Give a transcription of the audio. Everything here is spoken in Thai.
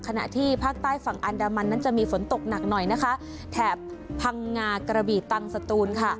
ขณะที่ภาคใต้ฝั่งอันดามันนั้นจะมีฝนตกหนักหน่อยนะคะแถบพังงากระบีตังสตูนค่ะ